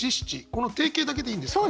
この定型だけでいいんですか？